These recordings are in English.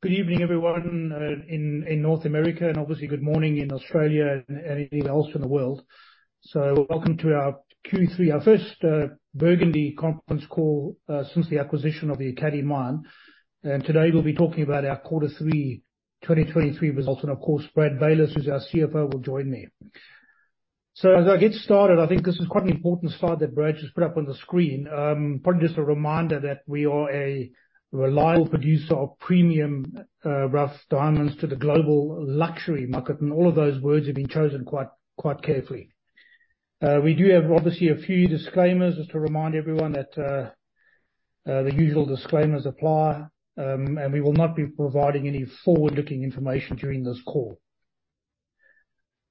Good evening, everyone, in North America, and obviously, good morning in Australia and anything else in the world. So welcome to our Q3, our first Burgundy Conference Call since the acquisition of the Ekati Mine. And today, we'll be talking about our Q3 2023 results, and of course, Brad Baylis, who's our CFO, will join me. So as I get started, I think this is quite an important slide that Brad just put up on the screen. Probably just a reminder that we are a reliable producer of premium rough diamonds to the global luxury market, and all of those words have been chosen quite, quite carefully. We do have, obviously, a few disclaimers, just to remind everyone that the usual disclaimers apply, and we will not be providing any forward-looking information during this call.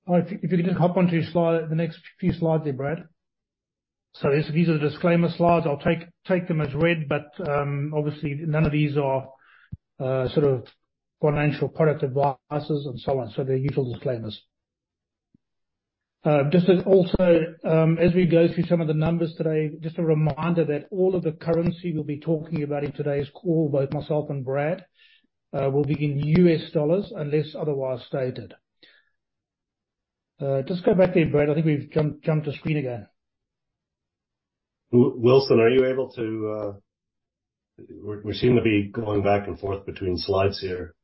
All right, if you can just hop onto your slide, the next few slides there, Brad. So these are the disclaimer slides. I'll take them as read, but obviously, none of these are sort of financial product advice and so on, so the usual disclaimers. Just as also, as we go through some of the numbers today, just a reminder that all of the currency we'll be talking about in today's call, both myself and Brad, will be in US dollars, unless otherwise stated. Just go back there, Brad. I think we've jumped the screen again. Wilson, are you able to... We seem to be going back and forth between slides here.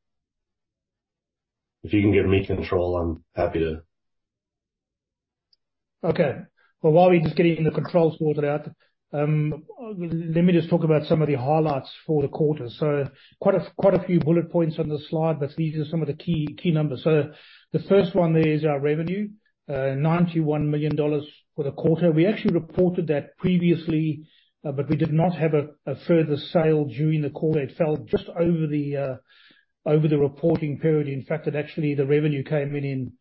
If you can give me control, I'm happy to. Okay. Well, while we're just getting the controls sorted out, let me just talk about some of the highlights for the quarter. So quite a few bullet points on the slide, but these are some of the key numbers. So the first one there is our revenue, $91 million for the quarter. We actually reported that previously, but we did not have a further sale during the quarter. It fell just over the reporting period. In fact, that actually the revenue came in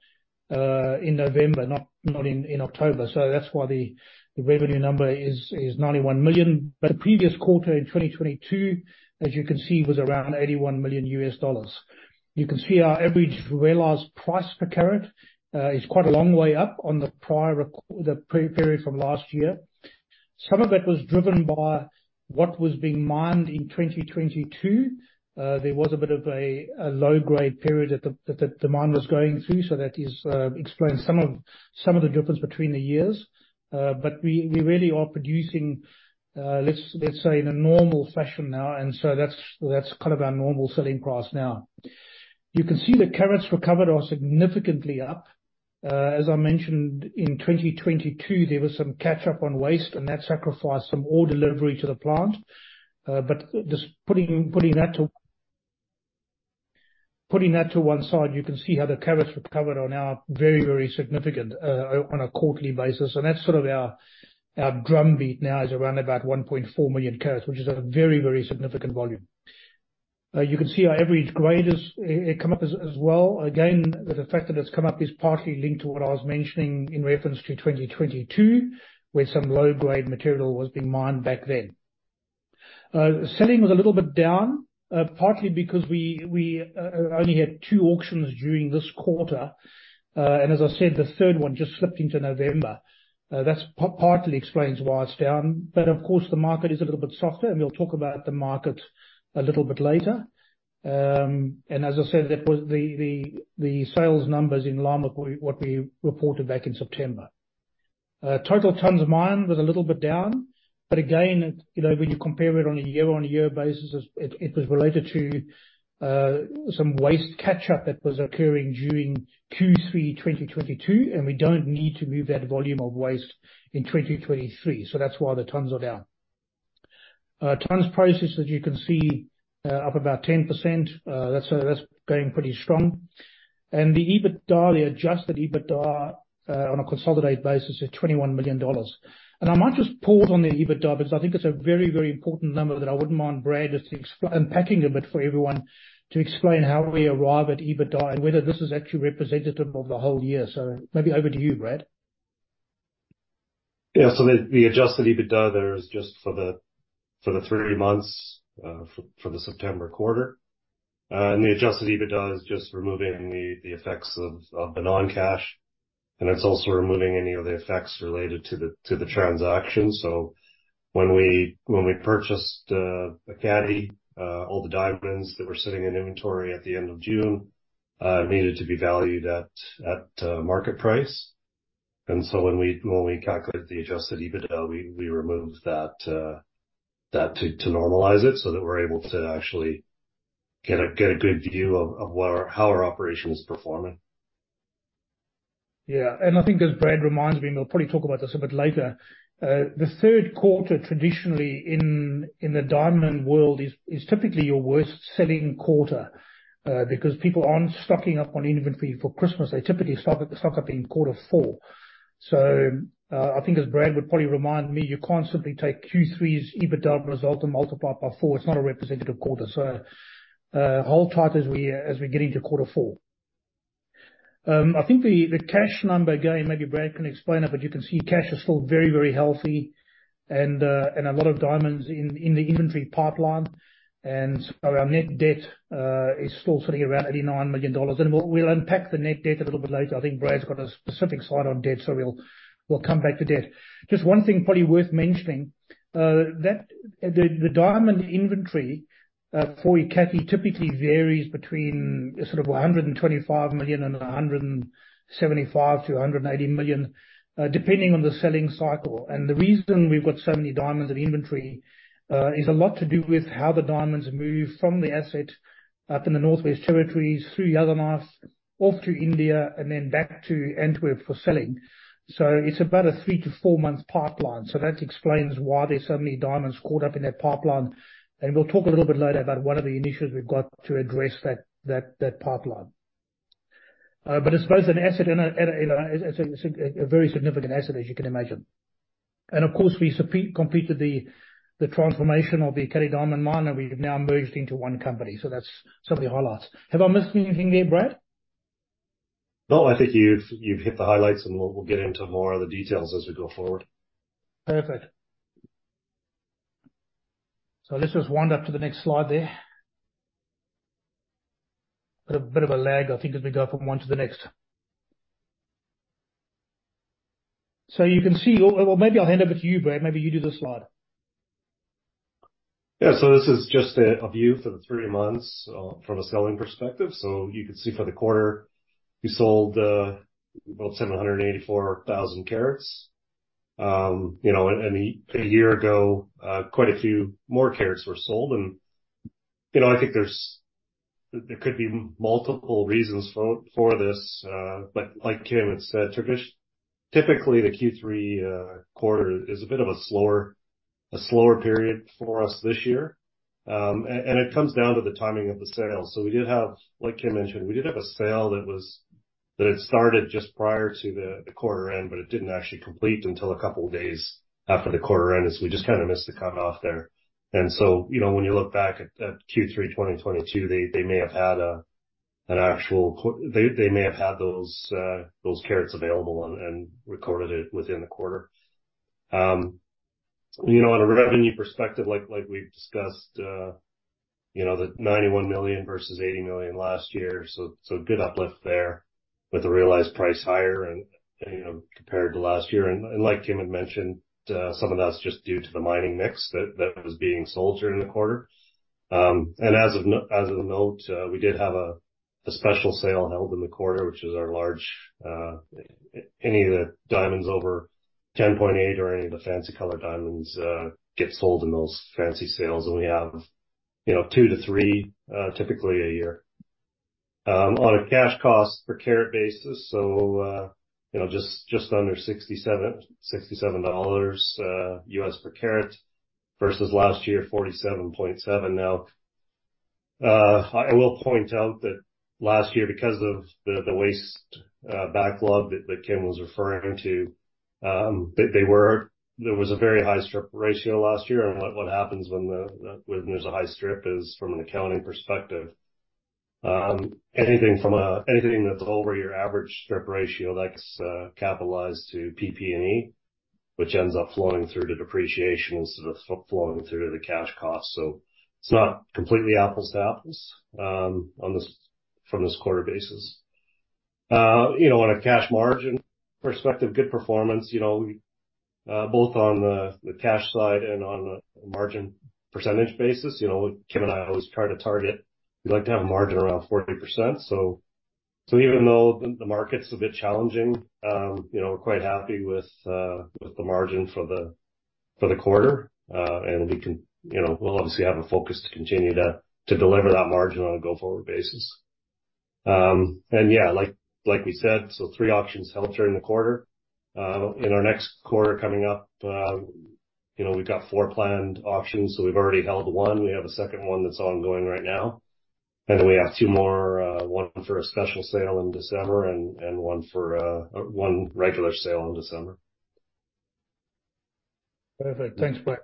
in November, not in October. So that's why the revenue number is $91 million. But the previous quarter in 2022, as you can see, was around $81 million. You can see our average realized price per carat is quite a long way up on the prior period from last year. Some of it was driven by what was being mined in 2022. There was a bit of a low-grade period that the mine was going through, so that explains some of the difference between the years. But we really are producing, let's say, in a normal fashion now, and so that's kind of our normal selling price now. You can see the carats recovered are significantly up. As I mentioned, in 2022, there was some catch up on waste, and that sacrificed some ore delivery to the plant. But just putting that to, Putting that to one side, you can see how the carats recovered are now very, very significant on a quarterly basis, and that's sort of our drumbeat now is around about 1.4 million carats, which is a very-very significant volume. You can see our average grade has come up as well. Again, the fact that it's come up is partly linked to what I was mentioning in reference to 2022, where some low-grade material was being mined back then. Selling was a little bit down, partly because we only had two auctions during this quarter. And as I said, the third one just slipped into November. That's partly explains why it's down. But of course, the market is a little bit softer, and we'll talk about the market a little bit later. And as I said, that was the sales numbers in line with what we reported back in September. Total tonnes mined was a little bit down, but again, you know, when you compare it on a year-on-year basis, it was related to some waste catch-up that was occurring during Q3, 2022, and we don't need to move that volume of waste in 2023. So that's why the tonnes are down. Tonnes processed, as you can see, up about 10%. That's going pretty strong. And the EBITDA, the adjusted EBITDA, on a consolidated basis, is $21 million. I might just pause on the EBITDA, because I think it's a very, very important number that I wouldn't mind Brad just unpacking a bit for everyone to explain how we arrive at EBITDA and whether this is actually representative of the whole year. So maybe over to you, Brad. Yeah, so the adjusted EBITDA there is just for the three months for the September quarter. And the adjusted EBITDA is just removing the effects of the non-cash, and it's also removing any of the effects related to the transaction. So when we purchased Ekati, all the diamonds that were sitting in inventory at the end of June needed to be valued at market price. And so when we calculated the adjusted EBITDA, we removed that to normalize it so that we're able to actually get a good view of what our how our operation is performing. Yeah, and I think as Brad reminds me, and we'll probably talk about this a bit later, the third quarter, traditionally in the diamond world, is typically your worst-selling quarter, because people aren't stocking up on inventory for Christmas. They typically stock up in quarter four. So, I think as Brad would probably remind me, you can't simply take Q3's EBITDA result and multiply it by four, It's not a representative quarter, so, hold tight as we get into quarter four. I think the cash number going, maybe Brad can explain it, but you can see cash is still very, very healthy, and a lot of diamonds in the inventory pipeline, and our net debt is still sitting around $89 million, and we'll unpack the net debt a little bit later. I think Brad's got a specific slide on debt, so we'll come back to debt. Just one thing probably worth mentioning, that the diamond inventory for Ekati typically varies between sort of $125 million and $175-$180 million, depending on the selling cycle. And the reason we've got so many diamonds in inventory is a lot to do with how the diamonds move from the asset up in the Northwest Territories, through Yellowknife, off to India, and then back to Antwerp for selling. So it's about a 3-4-month pipeline. So that explains why there's so many diamonds caught up in that pipeline. And we'll talk a little bit later about what are the initiatives we've got to address that pipeline. But I suppose an asset. It's a very significant asset, as you can imagine. Of course, we completed the transformation of the Ekati Diamond Mine, and we've now merged into one company, so that's some of the highlights. Have I missed anything there, Brad? No, I think you've hit the highlights, and we'll get into more of the details as we go forward. Perfect. So let's just wind up to the next slide there. A bit of a lag, I think, as we go from one to the next. So you can see... Or, or maybe I'll hand over to you, Brad. Maybe you do the slide. Yeah, so this is just a view for the three months from a selling perspective. So you can see for the quarter, we sold about 784,000 carats. You know, and a year ago, quite a few more carats were sold, and you know, I think there's there could be multiple reasons for this, but like Kim had said, typically, the Q3 quarter is a bit of a slower period for us this year. And it comes down to the timing of the sale. So we did have, like Kim mentioned, we did have a sale that was that had started just prior to the quarter end, but it didn't actually complete until a couple of days after the quarter end, as we just kind of missed the cut-off there. So, you know, when you look back at Q3 2022, they may have had an actual quarter they may have had those carats available and recorded it within the quarter. You know, on a revenue perspective, like we've discussed, you know, the $91 million versus $80 million last year, so good uplift there with the realized price higher and, you know, compared to last year. And like Kim had mentioned, some of that's just due to the mining mix that was being sold during the quarter. And as of the note, we did have a special sale held in the quarter, which is our large any of the diamonds over 10.8 or any of the fancy color diamonds get sold in those fancy sales, and we have, you know, 2-3 typically a year. On a cash cost per carat basis, so, you know, just under 67, 67 dollars US per carat, versus last year, 47.7. Now, I will point out that last year, because of the waste backlog that Kim was referring to, there was a very high strip ratio last year, and what happens when there's a high strip is, from an accounting perspective, anything that's over your average strip ratio, that's capitalized to PP&E, which ends up flowing through to depreciation instead of flowing through to the cash cost. So it's not completely apples to apples on a quarter basis. You know, on a cash margin perspective, good performance, you know, both on the cash side and on a margin percentage basis. You know, Kim and I always try to target, we like to have a margin around 40%. Even though the market's a bit challenging, you know, we're quite happy with the margin for the quarter. You know, we'll obviously have a focus to continue to deliver that margin on a go-forward basis. Like we said, three auctions held during the quarter. In our next quarter coming up, you know, we've got 4 planned auctions, so we've already held 1. We have a second one that's ongoing right now, and we have two more, one for a special sale in December and one regular sale in December. Perfect. Thanks, Brad.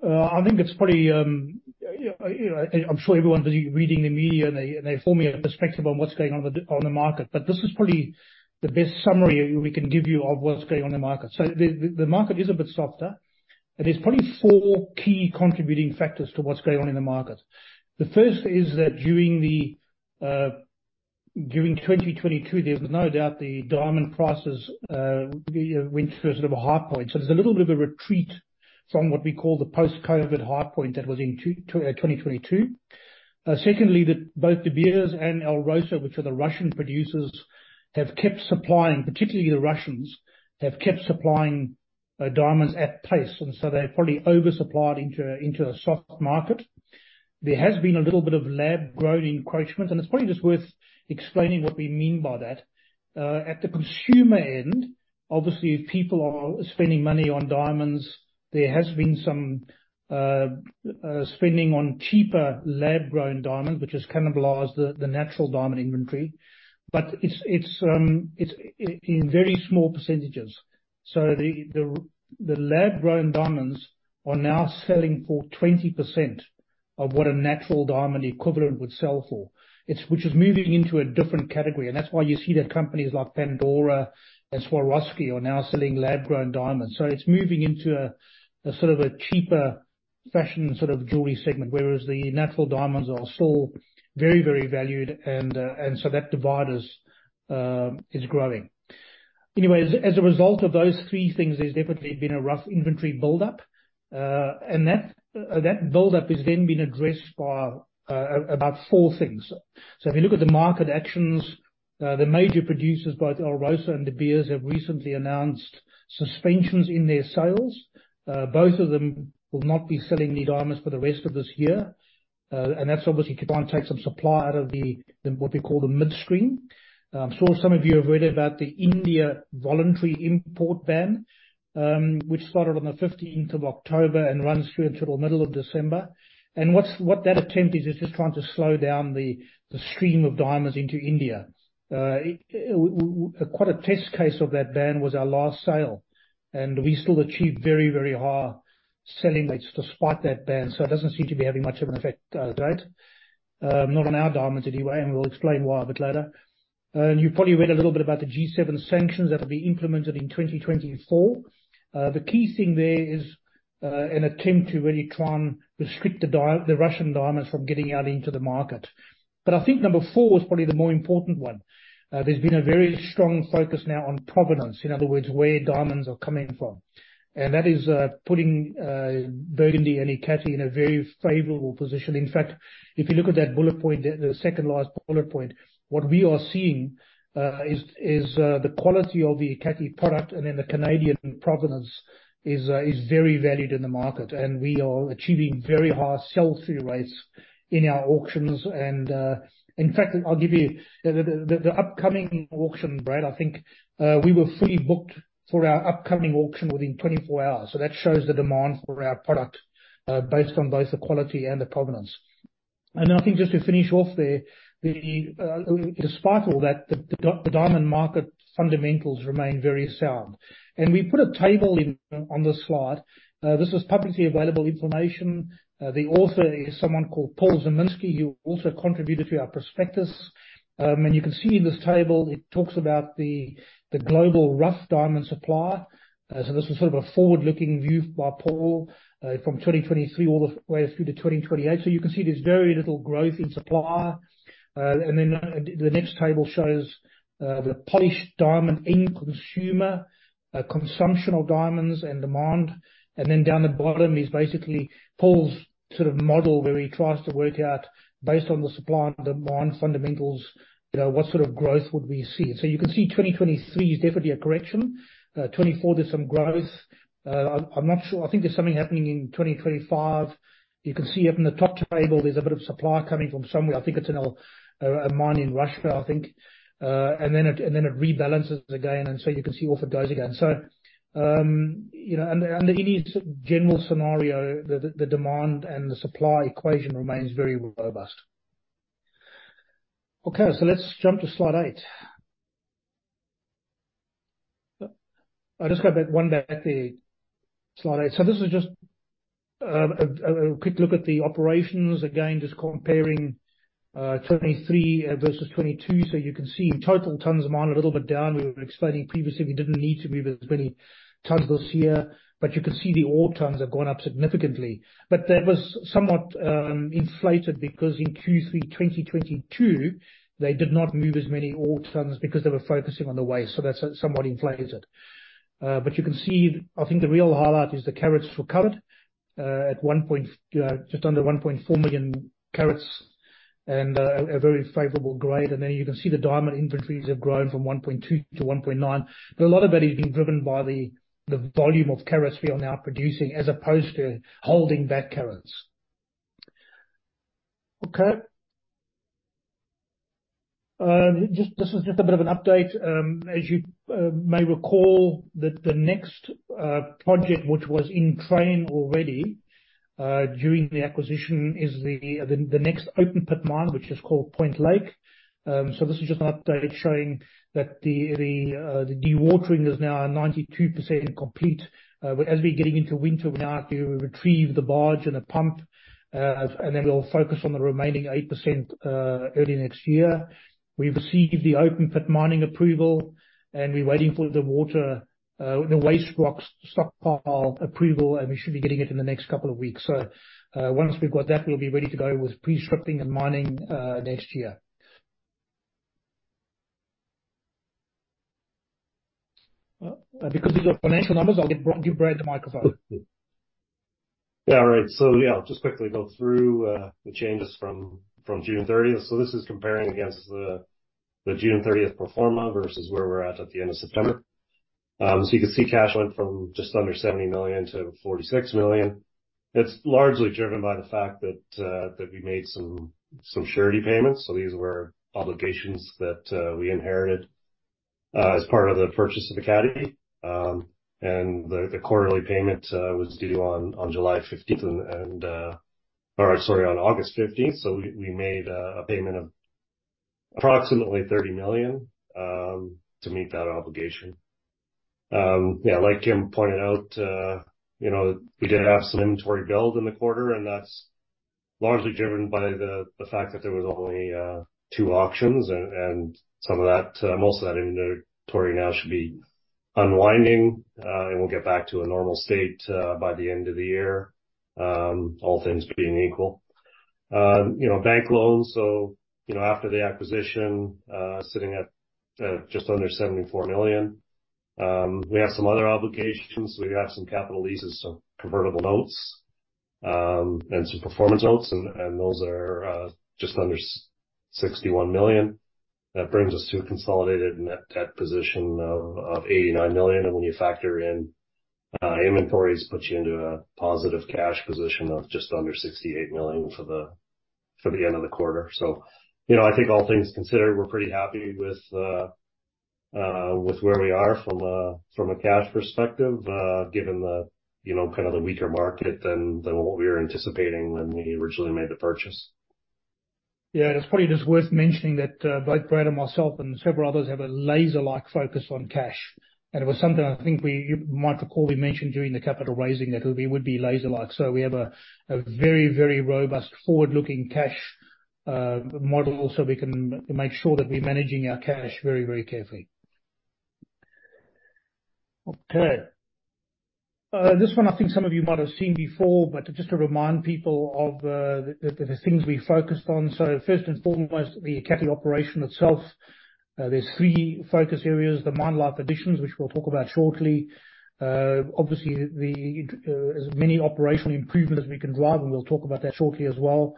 I think it's pretty, you know, I'm sure everyone's reading the media, and they form a perspective on what's going on in the market. But this is probably the best summary we can give you of what's going on in the market. So the market is a bit softer, but there's probably four key contributing factors to what's going on in the market. The first is that during 2022, there was no doubt the diamond prices went through a sort of a high point. So there's a little bit of a retreat from what we call the post-COVID high point that was in 2022. Secondly, both De Beers and Alrosa, which are the Russian producers, have kept supplying, particularly the Russians, have kept supplying, diamonds at pace, and so they probably oversupplied into a soft market. There has been a little bit of lab-grown encroachment, and it's probably just worth explaining what we mean by that. At the consumer end, obviously, people are spending money on diamonds. There has been some spending on cheaper lab-grown diamonds, which has cannibalized the natural diamond inventory, but it's in very small percentages. So the lab-grown diamonds are now selling for 20% of what a natural diamond equivalent would sell for. It's, which is moving into a different category, and that's why you see that companies like Pandora and Swarovski are now selling lab-grown diamonds. So it's moving into a sort of cheaper fashion sort of jewelry segment, whereas the natural diamonds are still very, very valued, and, so that divide is growing. Anyways, as a result of those three things, there's definitely been a rough inventory buildup. And that buildup has then been addressed by about four things. So if you look at the market actions, the major producers, both Alrosa and De Beers, have recently announced suspensions in their sales. Both of them will not be selling new diamonds for the rest of this year. And that's obviously to try and take some supply out of the what we call the midstream. So some of you have read about the India voluntary import ban, which started on the fifteenth of October and runs through until the middle of December. And what that attempt is, is just trying to slow down the stream of diamonds into India. It was quite a test case of that ban was our last sale, and we still achieved very, very high selling rates despite that ban, so it doesn't seem to be having much of an effect, to date. Not on our diamonds anyway, and we'll explain why a bit later. You probably read a little bit about the G7 sanctions that will be implemented in 2024. The key thing there is, an attempt to really try and restrict the Russian diamonds from getting out into the market. But I think number 4 is probably the more important one. There's been a very strong focus now on provenance, in other words, where diamonds are coming from. And that is putting Burgundy and Ekati in a very favorable position. In fact, if you look at that bullet point, the second last bullet point, what we are seeing is the quality of the Ekati product, and then the Canadian provenance is very valued in the market, and we are achieving very high sell-through rates in our auctions. And in fact, I'll give you the upcoming auction, Brad, I think we were fully booked for our upcoming auction within 24 hours. So that shows the demand for our product based on both the quality and the provenance. I think just to finish off there, despite all that, the diamond market fundamentals remain very sound. We put a table in on this slide. This is publicly available information. The author is someone called Paul Zimnisky, who also contributed to our prospectus. You can see in this table, it talks about the global rough diamond supply. So this is sort of a forward-looking view by Paul, from 2023 all the way through to 2028. So you can see there's very little growth in supply. Then, the next table shows the polished diamond end consumer consumption of diamonds and demand. And then down the bottom is basically Paul's sort of model, where he tries to work out, based on the supply and demand fundamentals, you know, what sort of growth would we see? So you can see 2023 is definitely a correction. 2024, there's some growth. I'm not sure. I think there's something happening in 2025. You can see up in the top table, there's a bit of supply coming from somewhere. I think it's in a mine in Russia, I think. And then it rebalances again, and so you can see off it goes again. So, you know, and in its general scenario, the demand and the supply equation remains very robust. Okay, so let's jump to slide eight. Just go back one back there, slide eight. So this is just a quick look at the operations, again, just comparing 2023 versus 2022. So you can see total tons of mine, a little bit down. We were explaining previously, we didn't need to move as many tons this year, but you can see the ore tons have gone up significantly. But that was somewhat inflated, because in Q3 2022, they did not move as many ore tons because they were focusing on the waste, so that's somewhat inflated. But you can see, I think the real highlight is the carats recovered at one point just under 1.4 million carats, and a very favorable grade. And then you can see the diamond inventories have grown from 1.2 to 1.9. But a lot of that is being driven by the volume of carats we are now producing, as opposed to holding back carats. Okay. This is just a bit of an update. As you may recall, the next project, which was in train already during the acquisition, is the next open pit mine, which is called Point Lake. So this is just an update showing that the dewatering is now 92% complete. But as we're getting into winter, we now have to retrieve the barge and the pump, and then we'll focus on the remaining 8%, early next year. We've received the open pit mining approval, and we're waiting for the water, the waste rock stockpile approval, and we should be getting it in the next couple of weeks. So, once we've got that, we'll be ready to go with pre-stripping and mining, next year. And because these are financial numbers, I'll give Brad the microphone. Yeah, all right. So yeah, I'll just quickly go through the changes from June 30th. So this is comparing against the June 30th pro forma versus where we're at at the end of September. So you can see cash went from just under $70 million to $46 million. It's largely driven by the fact that we made some surety payments. So these were obligations that we inherited as part of the purchase of Ekati. And the quarterly payment was due on July 15th and... Or sorry, on August 15th. So we made a payment of approximately $30 million to meet that obligation. Yeah, like Kim pointed out, you know, we did have some inventory build in the quarter, and that's largely driven by the fact that there was only two auctions and some of that most of that inventory now should be unwinding. And we'll get back to a normal state by the end of the year, all things being equal. You know, bank loans, so, you know, after the acquisition, sitting at just under $74 million. We have some other obligations. We have some capital leases, so convertible notes, and some performance notes, and those are just under $61 million. That brings us to a consolidated net debt position of $89 million. When you factor in inventories, puts you into a positive cash position of just under $68 million for the end of the quarter. So, you know, I think all things considered, we're pretty happy with where we are from a from a cash perspective, given the, you know, kind of the weaker market than than what we were anticipating when we originally made the purchase. Yeah, it's probably just worth mentioning that both Brad and myself and several others have a laser-like focus on cash. And it was something I think we, you might recall we mentioned during the capital raising that it would be laser-like. So we have a very, very robust forward-looking cash model, so we can make sure that we're managing our cash very, very carefully. Okay. This one, I think some of you might have seen before, but just to remind people of the things we focused on. So first and foremost, the Ekati operation itself. There's three focus areas, the mine life additions, which we'll talk about shortly. Obviously, as many operational improvements we can drive, and we'll talk about that shortly as well.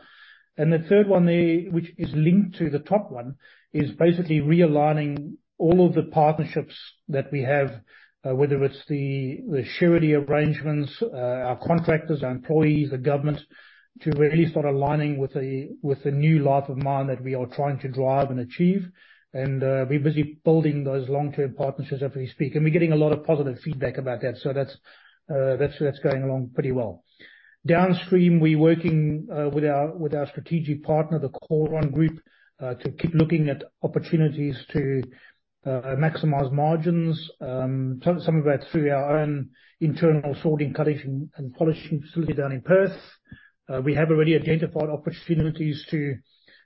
And the third one, there, which is linked to the top one, is basically realigning all of the partnerships that we have, whether it's the surety arrangements, our contractors, our employees, the government, to really start aligning with the, with the new life of mine that we are trying to drive and achieve. And, we're busy building those long-term partnerships as we speak, and we're getting a lot of positive feedback about that. So that's, that's, that's going along pretty well. Downstream, we're working, with our, with our strategic partner, the Choron Group, to keep looking at opportunities to, maximize margins. Some, some of that's through our own internal sorting, cutting, and polishing facility down in Perth. We have already identified opportunities to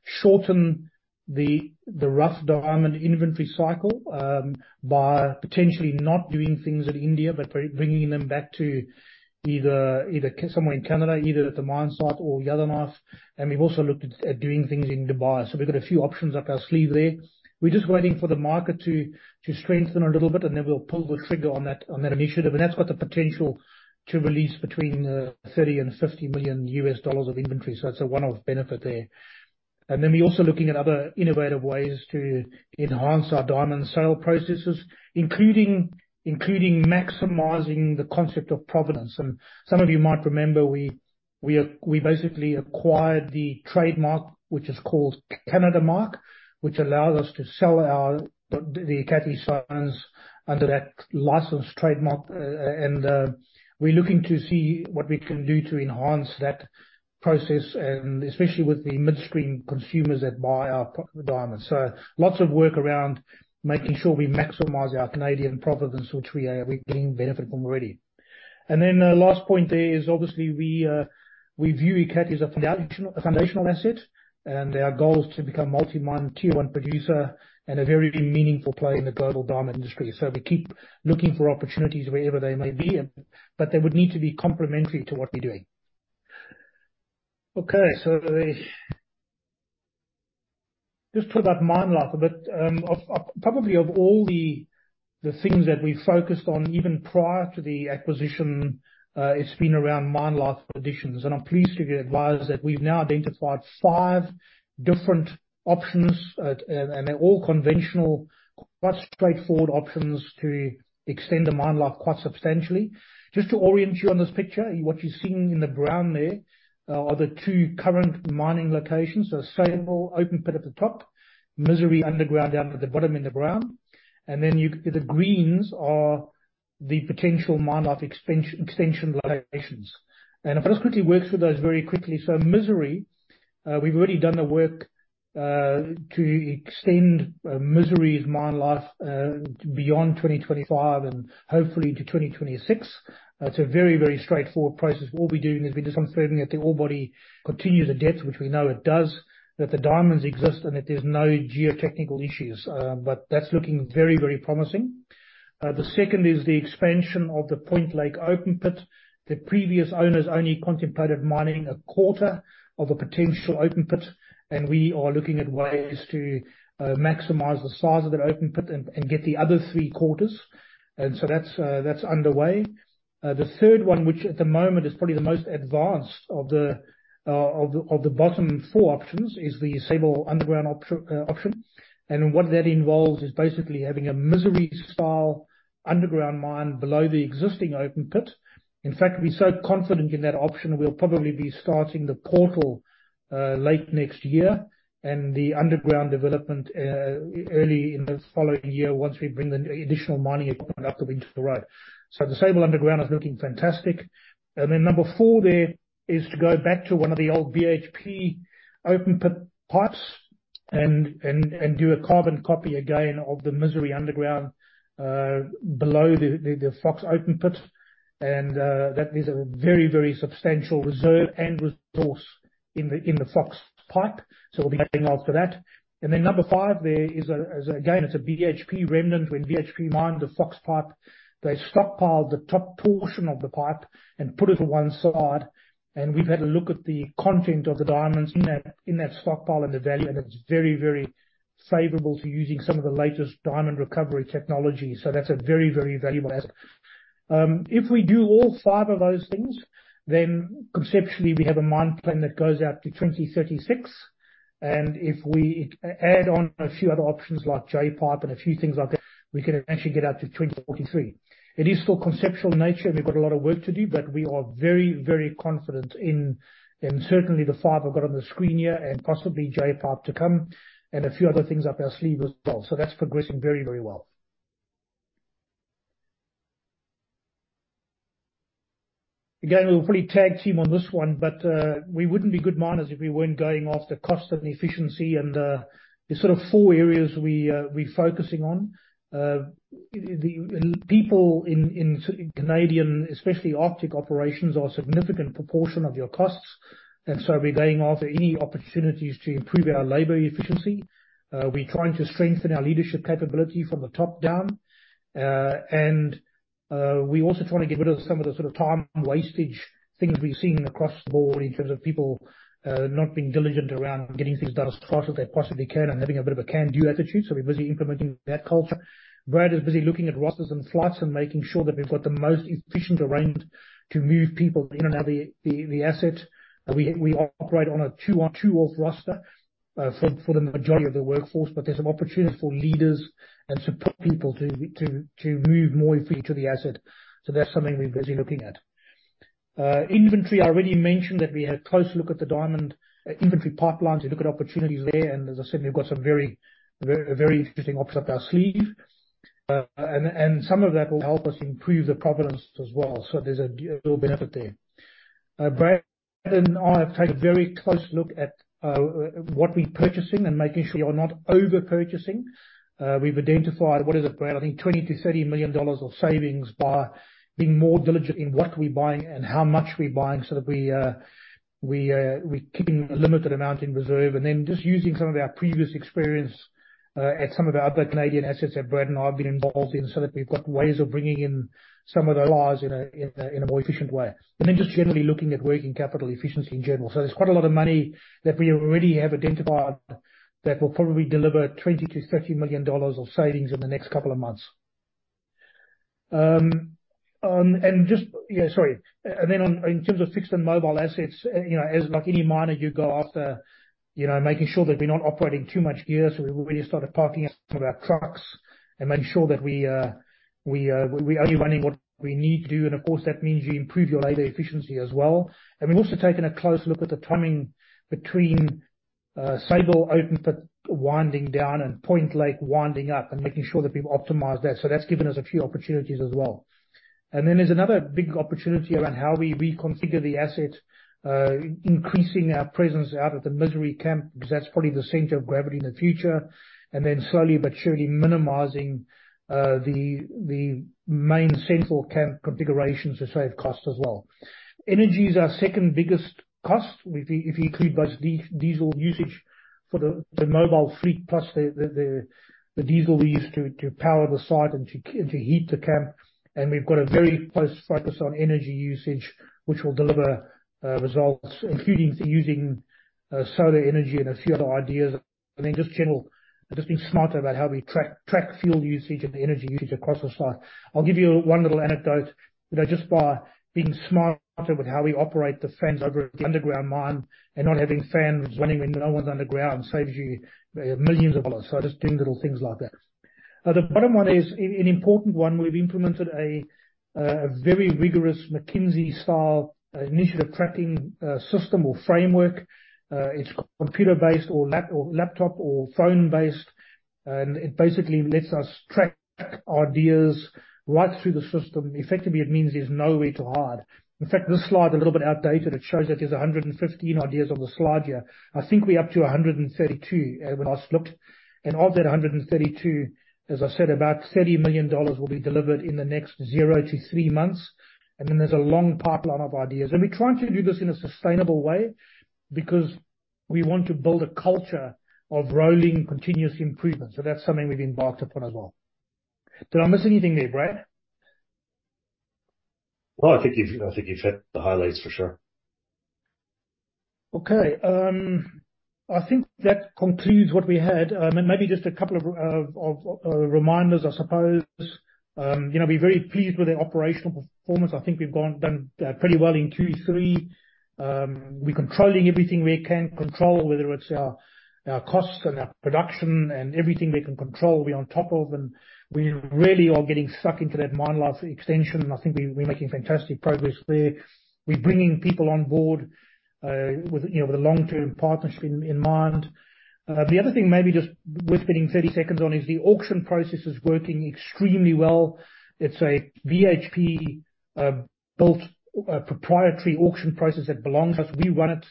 shorten the rough diamond inventory cycle by potentially not doing things in India, but by bringing them back to either somewhere in Canada, either at the mine site or Yellowknife. And we've also looked at doing things in Dubai. So we've got a few options up our sleeve there. We're just waiting for the market to strengthen a little bit, and then we'll pull the trigger on that initiative. And that's got the potential to release between $30 million and $50 million of inventory, so it's a one-off benefit there. And then we're also looking at other innovative ways to enhance our diamond sale processes, including maximizing the concept of provenance. Some of you might remember, we basically acquired the trademark, which is called CanadaMark, which allows us to sell our, the Ekati stones under that licensed trademark. We're looking to see what we can do to enhance that process, and especially with the midstream consumers that buy our diamonds. Lots of work around making sure we maximize our Canadian provenance, which we are, we're getting benefit from already. The last point there is obviously we view Ekati as a foundational asset, and our goal is to become a multi-mine, tier one producer and a very meaningful player in the global diamond industry. We keep looking for opportunities wherever they may be, and but they would need to be complementary to what we're doing. Okay, so just about mine life, but probably of all the things that we focused on even prior to the acquisition, it's been around mine life additions, and I'm pleased to be advised that we've now identified five different options, and they're all conventional, quite straightforward options to extend the mine life quite substantially. Just to orient you on this picture, what you're seeing in the brown there are the two current mining locations. So Sable open pit at the top, Misery underground, down at the bottom in the brown. And then the greens are the potential mine life extension locations. And if I just quickly work through those very quickly. So Misery, we've already done the work to extend Misery's mine life beyond 2025 and hopefully into 2026. It's a very, very straightforward process. What we're doing is we're just confirming that the ore body continues at depth, which we know it does, that the diamonds exist, and that there's no geotechnical issues. But that's looking very, very promising. The second is the expansion of the Point Lake open pit. The previous owners only contemplated mining a quarter of a potential open pit, and we are looking at ways to maximize the size of that open pit and get the other three-quarters. And so that's underway. The third one, which at the moment is probably the most advanced of the bottom four options, is the Sable underground option. And what that involves is basically having a Misery-style underground mine below the existing open pit. In fact, we're so confident in that option, we'll probably be starting the portal late next year and the underground development early in the following year, once we bring the additional mining equipment up into the road. So the Sable underground is looking fantastic. And then number four there is to go back to one of the old BHP open pit pipes and do a carbon copy again of the Misery underground below the Fox open pit. And that is a very, very substantial reserve and resource in the Fox pipe. So we'll be going after that. And then number five, there is again, it's a BHP remnant. When BHP mined the Fox pipe, they stockpiled the top portion of the pipe and put it to one side, and we've had a look at the content of the diamonds in that, in that stockpile and the value, and it's very, very favorable to using some of the latest diamond recovery technology. So that's a very, very valuable asset. If we do all five of those things, then conceptually, we have a mine plan that goes out to 2036, and if we add on a few other options, like Jay pipe and a few things like that, we can actually get out to 2043. It is still conceptual in nature, and we've got a lot of work to do, but we are very, very confident in... Certainly the five I've got on the screen here, and possibly J-pipe to come, and a few other things up our sleeve as well. That's progressing very, very well. Again, we'll probably tag team on this one, but we wouldn't be good miners if we weren't going after cost and efficiency. There's sort of four areas we're focusing on. The people in Canadian, especially Arctic operations, are a significant proportion of your costs, and so we're going after any opportunities to improve our labor efficiency. We're trying to strengthen our leadership capability from the top down. And we also trying to get rid of some of the sort of time wastage things we've seen across the board in terms of people not being diligent around getting things done as fast as they possibly can and having a bit of a can-do attitude. So we're busy implementing that culture. Brad is busy looking at rosters and flights and making sure that we've got the most efficient arrangement to move people in and out the asset. We operate on a two on, two off roster for the majority of the workforce, but there's an opportunity for leaders and support people to move more freely to the asset. So that's something we're busy looking at. Inventory, I already mentioned that we had a close look at the diamond inventory pipelines to look at opportunities there. As I said, we've got some very very interesting options up our sleeve. And some of that will help us improve the provenance as well. So there's a dual benefit there. Brad and I have taken a very close look at what we're purchasing and making sure we are not over-purchasing. We've identified, I think, $20-$30 million of savings by being more diligent in what we're buying and how much we're buying, so that we're keeping a limited amount in reserve. And then just using some of our previous experience at some of our other Canadian assets that Brad and I have been involved in, so that we've got ways of bringing in some of those in a more efficient way. And then just generally looking at working capital efficiency in general. So there's quite a lot of money that we already have identified that will probably deliver $20 million-$30 million of savings in the next couple of months. And then on, in terms of fixed and mobile assets, you know, as like any miner, you go after, you know, making sure that we're not operating too much gear. So we've already started parking up some of our trucks and making sure that we, we're only running what we need to, and of course, that means you improve your labor efficiency as well. And we've also taken a close look at the timing between Sable open pit winding down and Point Lake winding up and making sure that we've optimized that. So that's given us a few opportunities as well. And then there's another big opportunity around how we reconfigure the asset, increasing our presence out at the Misery camp, because that's probably the center of gravity in the future. And then slowly but surely minimizing the main central camp configurations to save costs as well. Energy is our second biggest cost, if you include both diesel usage for the mobile fleet, plus the diesel we use to power the site and to heat the camp. And we've got a very close focus on energy usage, which will deliver results, including using solar energy and a few other ideas. And then just general, just being smarter about how we track fuel usage and energy usage across the site. I'll give you one little anecdote. You know, just by being smarter with how we operate the fans over at the underground mine, and not having fans running when no one's underground, saves you millions of dollars. So just doing little things like that. The bottom one is an important one. We've implemented a very rigorous McKinsey-style initiative tracking system or framework. It's computer-based or laptop- or phone-based, and it basically lets us track ideas right through the system. Effectively, it means there's nowhere to hide. In fact, this slide is a little bit outdated. It shows that there's 115 ideas on the slide here. I think we're up to 132, when I last looked, and of that 132, as I said, about $30 million will be delivered in the next 0-3 months. And then there's a long pipeline of ideas. And we're trying to do this in a sustainable way because we want to build a culture of rolling, continuous improvement. So that's something we've embarked upon as well. Did I miss anything there, Brad? Well, I think you've, I think you've hit the highlights for sure. Okay, I think that concludes what we had. And maybe just a couple of reminders, I suppose. You know, we're very pleased with the operational performance. I think we've done pretty well in Q3. We're controlling everything we can control, whether it's our costs and our production and everything we can control, we're on top of, and we really are getting stuck into that mine life extension, and I think we're making fantastic progress there. We're bringing people on board with you know with a long-term partnership in mind. The other thing maybe just worth spending 30 seconds on is the auction process is working extremely well. It's a BHP-built proprietary auction process that belongs to us. We run it....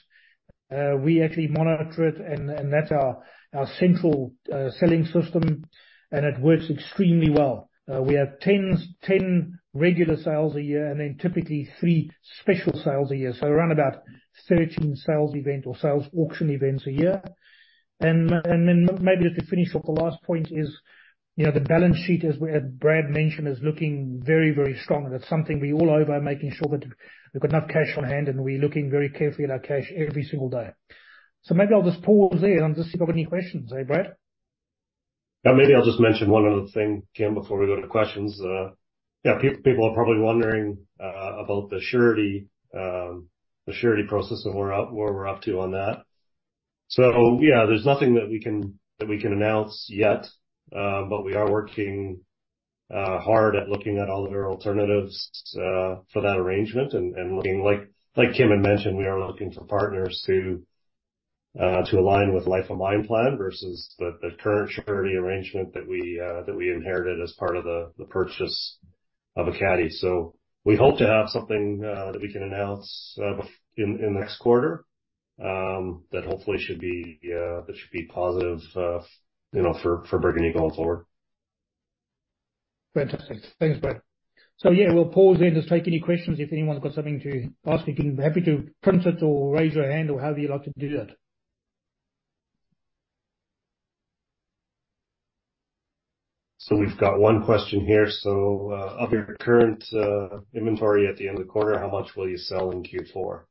We actually monitor it, and that's our central selling system, and it works extremely well. We have 10 regular sales a year and then typically 3 special sales a year, so around about 13 sales event or sales auction events a year. Then maybe just to finish off, the last point is, you know, the balance sheet, as we had Brad mention, is looking very, very strong, and that's something we all over are making sure that we've got enough cash on hand, and we're looking very carefully at our cash every single day. So maybe I'll just pause there and just see if you've got any questions. Hey, Brad? Yeah, maybe I'll just mention one other thing, Kim, before we go to questions. Yeah, people are probably wondering about the surety process and where we're up to on that. So, yeah, there's nothing that we can announce yet, but we are working hard at looking at all other alternatives for that arrangement. And looking like Kim had mentioned, we are looking for partners to align with life of mine plan versus the current surety arrangement that we inherited as part of the purchase of Ekati. So we hope to have something that we can announce in the next quarter, that hopefully should be positive, you know, for Burgundy going forward. Fantastic. Thanks, Brad. So yeah, we'll pause there and just take any questions if anyone's got something to ask. You can be happy to print it or raise your hand or however you'd like to do that. So we've got one question here. So, of your current inventory at the end of the quarter, how much will you sell in Q4?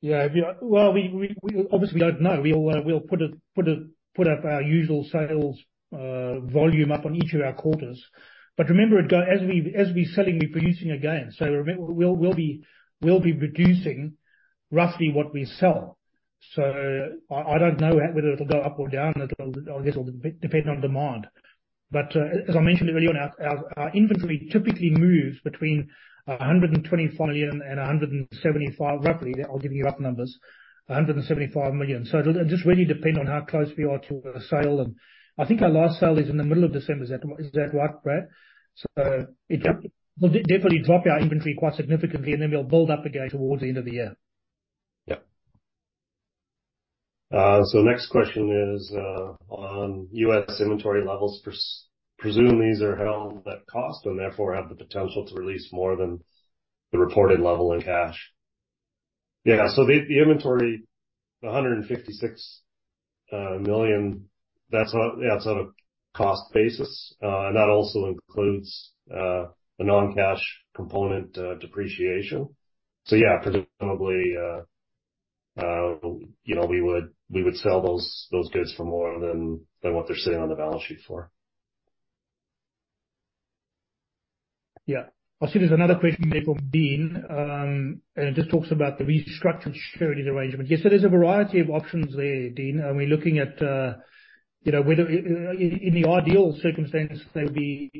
Yeah, if you... Well, we obviously don't know. We'll put it up our usual sales volume up on each of our quarters. But remember, it goes as we're selling, we're producing again. So remember, we'll be reducing roughly what we sell. So I don't know whether it'll go up or down. I guess it'll depend on demand. But as I mentioned earlier on, our inventory typically moves between $125 million and $175 million, roughly. I'll give you rough numbers, $175 million. So it'll just really depend on how close we are to a sale, and I think our last sale is in the middle of December. Is that right, Brad? It will definitely drop our inventory quite significantly, and then we'll build up again towards the end of the year. Yeah. So next question is on U.S. inventory levels, presume these are held at cost and therefore have the potential to release more than the reported level in cash. Yeah, so the inventory, $156 million, that's on a cost basis. And that also includes the non-cash component, depreciation. So yeah, presumably, you know, we would sell those goods for more than what they're sitting on the balance sheet for. Yeah. I see there's another question there from Dean, and it just talks about the restructured surety arrangement. Yes, so there's a variety of options there, Dean, and we're looking at, you know, whether, in the ideal circumstances, they'd be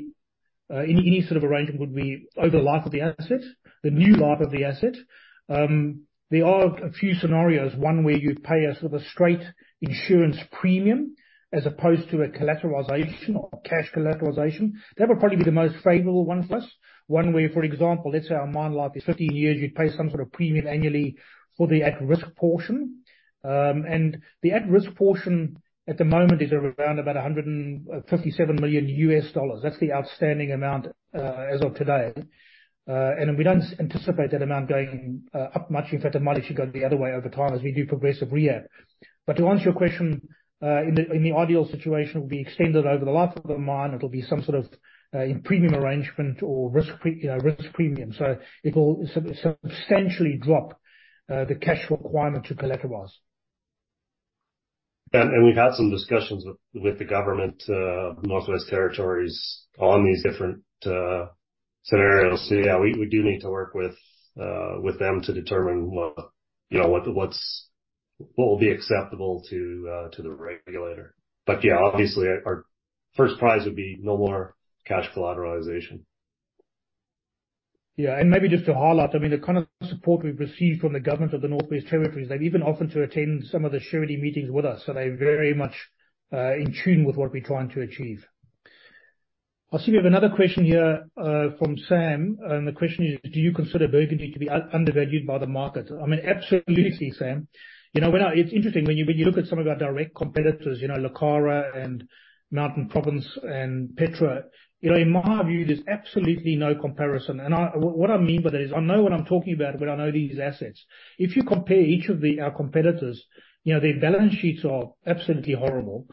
any sort of arrangement would be over the life of the asset, the new life of the asset. There are a few scenarios, one where you'd pay a sort of a straight insurance premium as opposed to a collateralization or cash collateralization. That would probably be the most favorable one for us. One where, for example, let's say our mine life is 15 years, you'd pay some sort of premium annually for the at-risk portion. And the at-risk portion at the moment is around about $157 million. That's the outstanding amount as of today. And we don't anticipate that amount going up much. In fact, it might actually go the other way over time as we do progressive rehab. But to answer your question, in the ideal situation, it will be extended over the life of the mine. It'll be some sort of premium arrangement or risk premium. So it will substantially drop the cash requirement to collateralize. We've had some discussions with the government, Northwest Territories on these different scenarios. So yeah, we do need to work with them to determine what, you know, what will be acceptable to the regulator. But yeah, obviously, our first prize would be no more cash collateralization. Yeah, and maybe just to highlight, I mean, the kind of support we've received from the government of the Northwest Territories. They've even offered to attend some of the surety meetings with us, so they're very much in tune with what we're trying to achieve. I see we have another question here from Sam, and the question is: Do you consider Burgundy to be undervalued by the market? I mean, absolutely, Sam. You know, it's interesting, when you, when you look at some of our direct competitors, you know, Lucara and Mountain Province and Petra, you know, in my view, there's absolutely no comparison. And I... What I mean by that is, I know what I'm talking about when I know these assets. If you compare each of the, our competitors, you know, their balance sheets are absolutely horrible,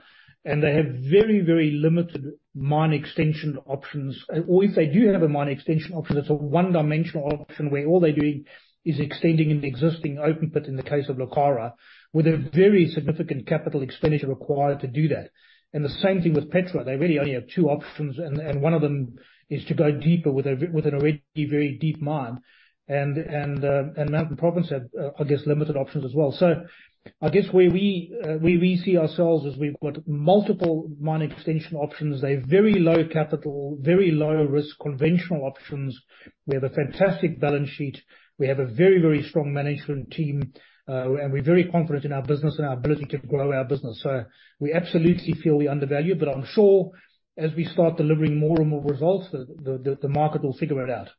and they have very, very limited mine extension options. Or if they do have a mine extension option, it's a one-dimensional option, where all they're doing is extending an existing open pit, in the case of Lucara, with a very significant capital expenditure required to do that. And the same thing with Petra. They really only have two options, and, and one of them is to go deeper with a, with an already very deep mine. And, and, and Mountain Province have, I guess, limited options as well. So I guess where we, where we see ourselves is we've got multiple mine extension options. They have very low capital, very low risk, conventional options. We have a fantastic balance sheet. We have a very, very strong management team, and we're very confident in our business and our ability to grow our business. So we absolutely feel we're undervalued, but I'm sure as we start delivering more and more results, the market will figure it out.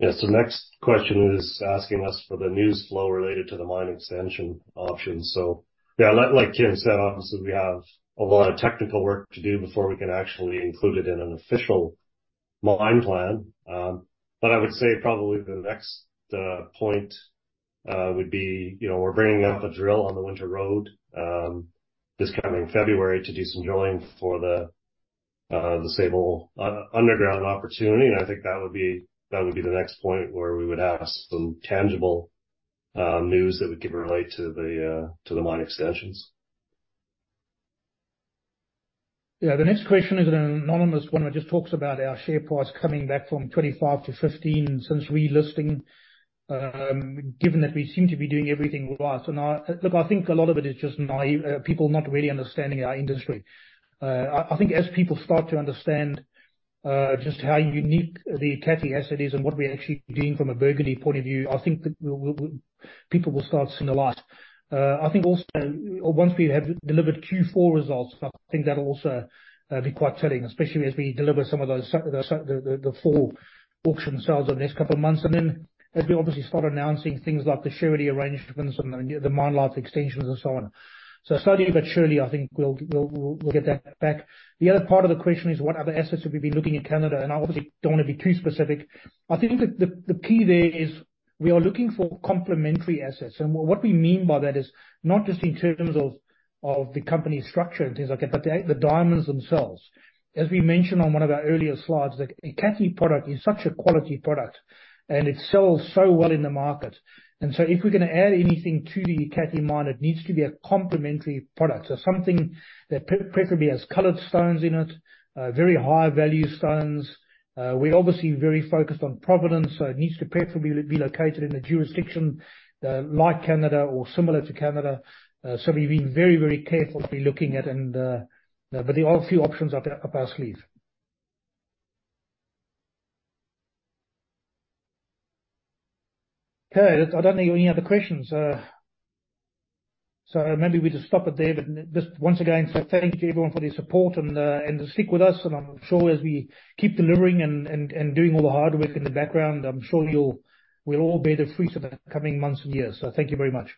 Yes, so next question is asking us for the news flow related to the mine extension options. So, yeah, like, like Kim said, obviously, we have a lot of technical work to do before we can actually include it in an official mine plan. But I would say probably the next point would be, you know, we're bringing up a drill on the winter road this coming February to do some drilling for the Sable underground opportunity. And I think that would be the next point where we would have some tangible news that we can relate to the mine extensions. Yeah, the next question is an anonymous one that just talks about our share price coming back from 25 to 15 since relisting, given that we seem to be doing everything right. So now, look, I think a lot of it is just naive people not really understanding our industry. I think as people start to understand just how unique the Ekati asset is and what we're actually doing from a Burgundy point of view, I think that people will start seeing the light. I think also, once we have delivered Q4 results, I think that'll also be quite telling, especially as we deliver some of those the four auction sales over the next couple of months. And then as we obviously start announcing things like the surety arrangements and the mine life extensions and so on. Slowly but surely, I think we'll get that back. The other part of the question is, what other assets have we been looking at in Canada? And I obviously don't want to be too specific. I think that the key there is we are looking for complementary assets. And what we mean by that is not just in terms of the company structure and things like that, but the diamonds themselves. As we mentioned on one of our earlier slides, the Ekati product is such a quality product, and it sells so well in the market. And so if we're gonna add anything to the Ekati mine, it needs to be a complementary product. So something that preferably has colored stones in it, very high-value stones. We're obviously very focused on provenance, so it needs to preferably be located in a jurisdiction like Canada or similar to Canada. So we've been very, very careful to be looking at and, but there are a few options up our sleeve. Okay, I don't think there are any other questions. So maybe we just stop it there. But just once again, say thank you to everyone for their support and and stick with us. And I'm sure as we keep delivering and, and, and doing all the hard work in the background, I'm sure you'll- we'll all be the fruits of the coming months and years. So thank you very much.